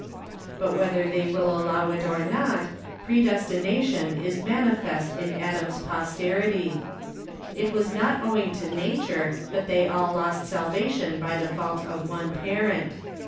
But whether they will allow it or not, predestination is manifest in Adam's posterity. It was not owing to nature that they all lost salvation by the fault of one parent.